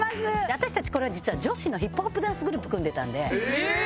私たちこれは実は女子のヒップホップダンスグループ組んでたんで。